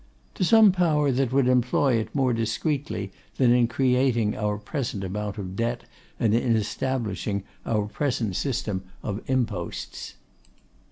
'To some power that would employ it more discreetly than in creating our present amount of debt, and in establishing our present system of imposts.